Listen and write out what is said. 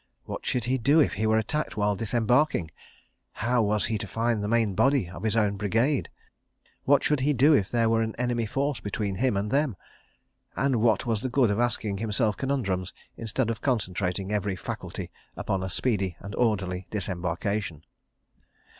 What should he do if he were attacked while disembarking? How was he to find the main body of his own brigade? What should he do if there were an enemy force between him and them? And what was the good of asking himself conundrums, instead of concentrating every faculty upon a speedy and orderly disembarkation?